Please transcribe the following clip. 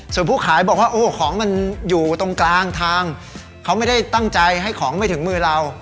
ส่วนผู้ขายบอกว่าโอ้โหของมันอยู่ตรงกลางทางเขาไม่ได้ตั้งใจให้ของไม่ถึงมือเรา